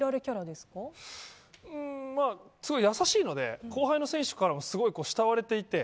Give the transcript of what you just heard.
すごい優しいので後輩の選手からもすごい慕われていて。